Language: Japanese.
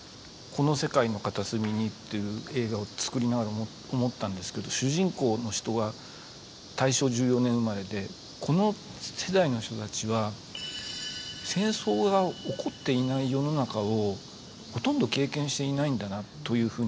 「この世界の片隅に」という映画を作りながら思ったんですけど主人公の人が大正１４年生まれでこの世代の人たちは戦争が起こっていない世の中をほとんど経験していないんだなというふうに思ったんです。